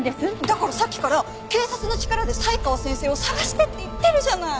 だからさっきから警察の力で才川先生を捜してって言ってるじゃない！